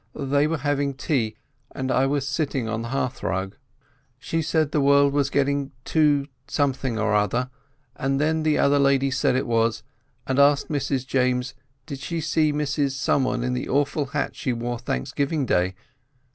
They were having tea, and I was sitting on the hearthrug. She said the world was getting too—something or another, an' then the other lady said it was, and asked Mrs James did she see Mrs Someone in the awful hat she wore Thanksgiving Day.